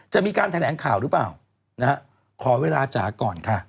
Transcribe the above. จะมีการแถลงข่าวหรือเปล่านะฮะขอเวลาจ๋าก่อนค่ะ